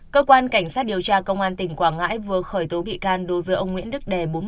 cơ quan cảnh sát điều tra công an tỉnh quảng ngãi vừa khởi tố bị can đối với ông nguyễn đức đề